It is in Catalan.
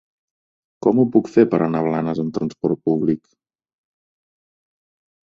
Com ho puc fer per anar a Blanes amb trasport públic?